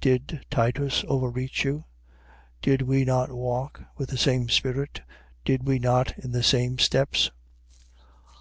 Did Titus overreach you? Did we not walk with the same spirit? Did we not in the same steps?